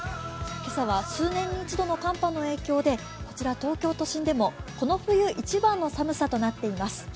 今朝は数年に一度の寒波の影響でこちら東京都心でもこの冬、一番の寒さとなっています。